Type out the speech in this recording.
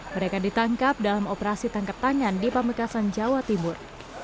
mereka ditangkap dalam operasi tangkap tangan di pamekasan jawa timur